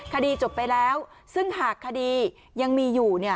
คดีจบไปแล้วซึ่งหากคดียังมีอยู่